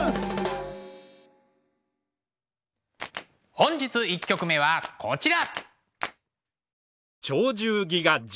本日１曲目はこちら。